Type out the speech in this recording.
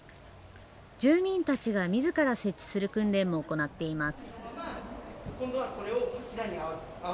住民たちがみずから設置する訓練も行っています。